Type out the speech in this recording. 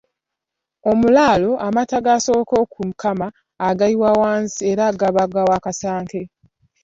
Omulaalo amata g’asooka okukama agayiwa wansi era gaba ga Wakasanke.